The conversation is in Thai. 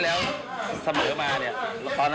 อ๋อเราไม่สมบูรณ์